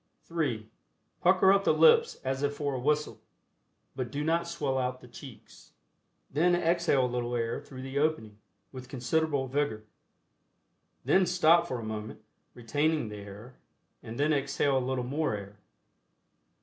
(3) Pucker up the lips as if for a whistle (but do not swell out the cheeks), then exhale a little air through the opening, with considerable vigor. Then stop for a moment, retaining the air, and then exhale a little more air.